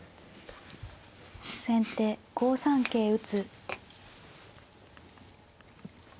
先手５三桂打。